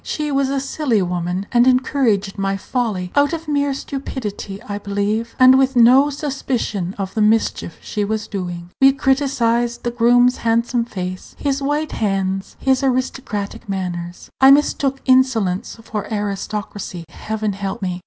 She was a silly woman, and encouraged my folly; out of mere stupidity, I believe, and with no suspicion of the mischief she was doing. We criticised the groom's handsome face, his white hands, his aristocratic manners. I mistook insolence for aristocracy; Heaven help me!